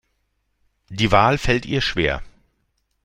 Die Wahl fällt ihr schwer.